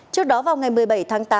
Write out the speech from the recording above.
trước đó vào ngày một mươi bảy tháng tám